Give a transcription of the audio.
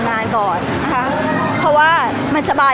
พี่ตอบได้แค่นี้จริงค่ะ